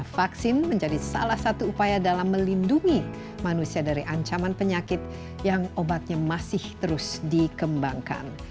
vaksin menjadi salah satu upaya dalam melindungi manusia dari ancaman penyakit yang obatnya masih terus dikembangkan